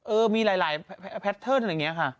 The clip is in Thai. มีหลายแพทเทิร์นอะไรอย่างนี้ค่ะ